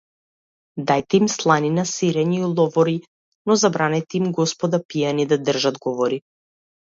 Дајте им сланина, сирење и ловори, но забранете им, господа, пијани да држат говори!